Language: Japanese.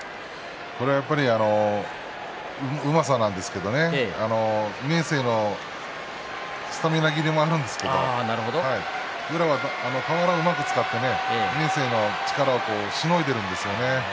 これは、やはりうまさなんですけれどね明生のスタミナ切れもあるんですけれど宇良は俵をうまく使って明生の力をしのいでいるんですよね